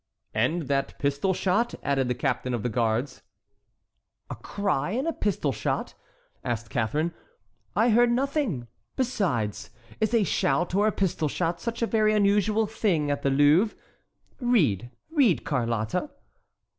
"And that pistol shot?" added the captain of the guards. "A cry, a pistol shot?" asked Catharine; "I heard nothing. Besides, is a shout or a pistol shot such a very unusual thing at the Louvre? Read, read, Carlotta."